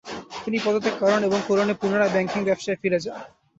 তিনি পদত্যাগ করেন এবং কোলনে পুনরায় ব্যাংকিং ব্যবসায় ফিরে যান ।